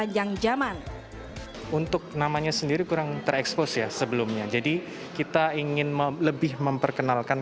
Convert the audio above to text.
dan aman untuk namanya sendiri kurang terekspos sebelumnya jadi kita ingin melebih memperkenalkan